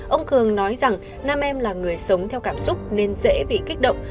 ông cường nói rằng nam em là người sống theo cảm xúc nên dễ bị kích động